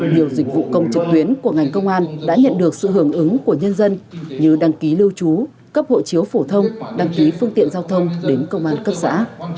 nhiều dịch vụ công trực tuyến của ngành công an đã nhận được sự hưởng ứng của nhân dân như đăng ký lưu trú cấp hộ chiếu phổ thông đăng ký phương tiện giao thông đến công an cấp xã